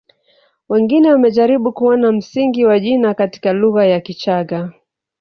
Wengine wamejaribu kuona msingi wa jina katika lugha ya Kichagga